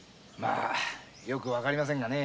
よく分かりませんがね。